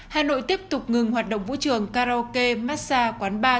hà nội tiếp tục ngừng hoạt động vũ trường karaoke massage quán bar